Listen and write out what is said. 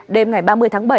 đêm ngày ba mươi tháng bảy